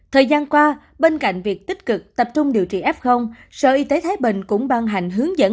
thời gian qua bên cạnh việc tích cực tập trung điều trị f sở y tế thái bình cũng ban hành hướng dẫn